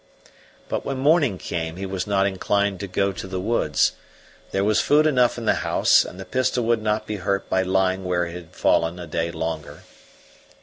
But when morning came he was not inclined to go to the woods: there was food enough in the house, and the pistol would not be hurt by lying where it had fallen a day longer.